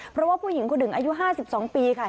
เพราะว่าผู้หญิงคนหนึ่งอายุ๕๒ปีค่ะ